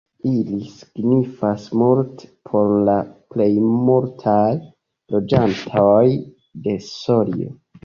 Ili signifas multe por la plejmultaj loĝantoj de Sorio.